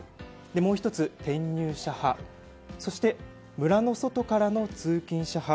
もう１つ転入者派そして村の外からの通勤者派。